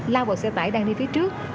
lao vào xe tải đang đi phía trước